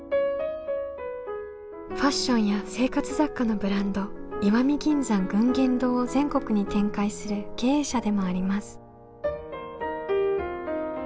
ファッションや生活雑貨のブランド「石見銀山群言堂」を全国に展開する経営者でもあります。